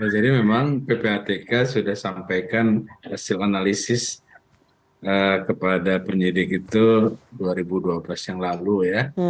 jadi memang ppatk sudah sampaikan hasil analisis kepada penyidik itu dua ribu dua belas yang lalu ya